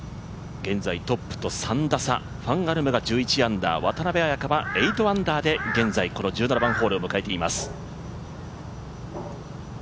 現在トップと３打差、ファン・アルムは１１アンダー、渡邉彩香は８アンダーは現在、１７番ホールを迎えています。